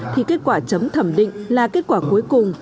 thì kết quả chấm thẩm định là kết quả cuối cùng